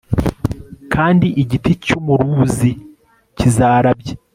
kandi igiti cy'umuluzi kizarabya